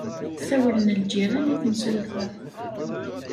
Sawlen lǧiran i temsulta.